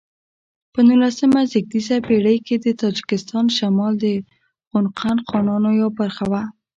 په نولسمه زېږدیزه پیړۍ کې د تاجکستان شمال د خوقند خانانو یوه برخه و.